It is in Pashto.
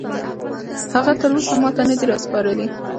هغه تراوسه ماته نه دي راسپارلي.